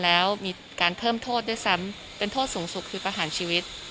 แล้วมีการเพิ่มโทษด้วยซ้ำเป็นโทษสูงสุดคือประหารชีวิต